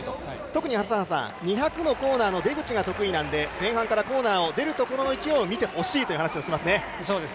特に２００のコーナーの出口が得意なんで前半からコーナーを出るときの勢いを見てほしいと話しています。